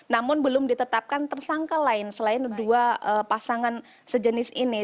namun belum ditetapkan tersangka lain selain dua pasangan sejenis ini